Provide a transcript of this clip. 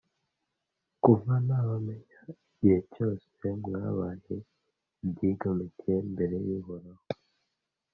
kuva nabamenya, igihe cyose mwabaye ibyigomeke imbere y’uhoraho.